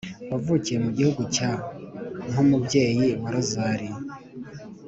(wavukiye mu gihugu cya nk’umubyeyi wa rozari